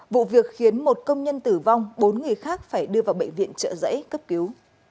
vụ việc khiến một công nhân tử vong bốn người khác phải đưa vào bệnh viện trợ giấy cấp cứu